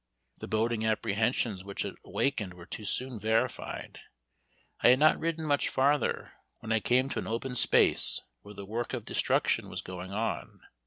The boding apprehensions which it awakened were too soon verified. I had not ridden much farther, when I came to an open space where the work of destruction was going on.